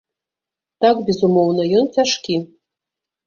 Так, безумоўна, ён цяжкі.